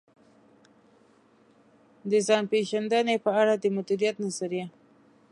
د ځان پېژندنې په اړه د مديريت نظريه.